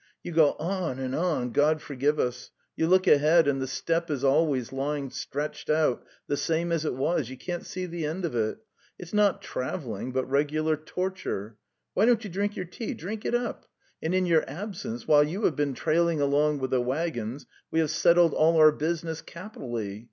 You go on and on, God forgive us; you look ahead and the steppe is always lying stretched out the same as it was — you can't see the end of it! It's not travel ling but regular torture. Why don't you drink your tea? Drink it up; and in your absence, while you have been trailing along with the waggons, we have settled all our business capitally.